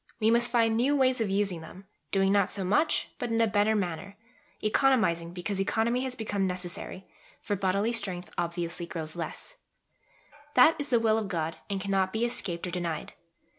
We must find new ways of using them, doing not so much, but in a better manner economising because economy has become necessary, for bodily strength obviously grows less: that is the will of God and cannot be escaped or denied.